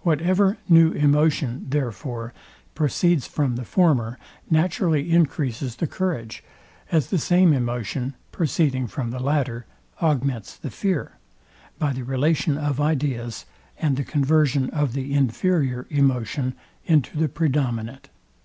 Whatever new emotion, therefore, proceeds from the former naturally encreases the courage; as the same emotion, proceeding from the latter, augments the fear; by the relation of ideas, and the conversion of the inferior emotion into the predominant.